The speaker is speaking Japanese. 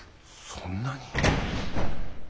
そんなに？